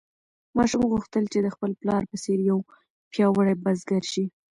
ماشوم غوښتل چې د خپل پلار په څېر یو پیاوړی بزګر شي.